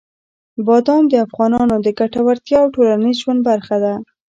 بادام د افغانانو د ګټورتیا او ټولنیز ژوند برخه ده.